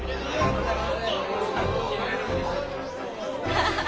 ハハハ！